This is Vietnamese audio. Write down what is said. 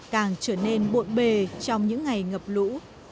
càng trở nên bộn bề trong những ngày ngập lũ